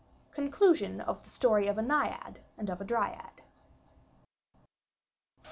Conclusion of the Story of a Naiad and of a Dryad.